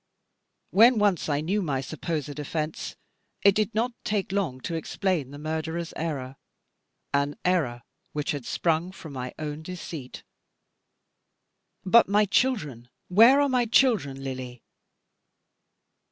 When once I knew my supposed offence, it did not take long to explain the murderer's error, an error which had sprung from my own deceit. But my children, where are my children, Lily?